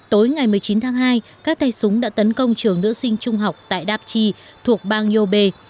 tối ngày một mươi chín tháng hai các tay súng đã tấn công trường nữ sinh trung học tại dapchi thuộc bang yobe